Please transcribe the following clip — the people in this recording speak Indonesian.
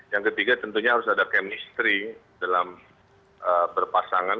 yang ketiga tentunya harus ada chemistry dalam berpasangan